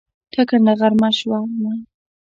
ټکنده غرمه شومه